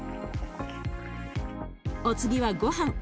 お次はごはん。